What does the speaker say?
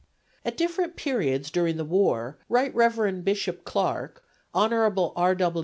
At different periods during the war Rt. Rev. Bishop Clark, Hon. R.